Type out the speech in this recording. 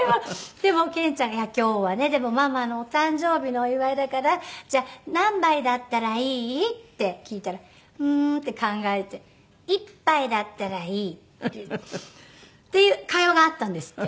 でも憲ちゃんが「今日はねでもママのお誕生日のお祝いだからじゃあ何杯だったらいい？」って聞いたら「うーん」って考えて「１杯だったらいい」っていう会話があったんですって。